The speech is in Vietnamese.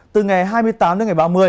từ ngày hai mươi tám đến ngày ba mươi